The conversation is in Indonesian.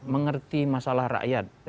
mengerti masalah rakyat